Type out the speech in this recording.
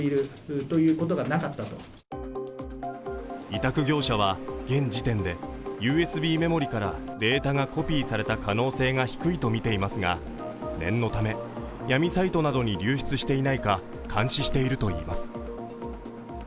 委託業者は現時点でＵＳＢメモリーからデータがコピーされた可能性が低いとみていますが念のため、闇サイトなどに流出していないか監視しているといいます。